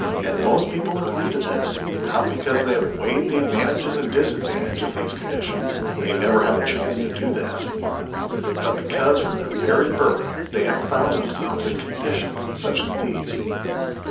And most people agree to this, not because they have weighed the advantages and dis advantages of these conditions (they never have a chance to do that), but because from their very birth they have found themselves in con ditions such as these.